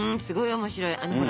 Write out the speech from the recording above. すごい面白い。